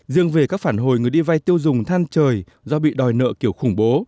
riêng về các phản hồi người đi vay tiêu dùng than trời do bị đòi nợ kiểu khủng bố